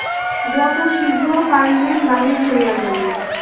যত শীঘ্র পারিলেন বাহির হইয়া গেলেন।